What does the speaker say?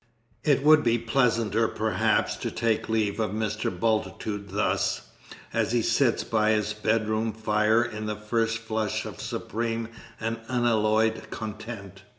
It would be pleasanter perhaps to take leave of Mr. Bultitude thus, as he sits by his bedroom fire in the first flush of supreme and unalloyed content.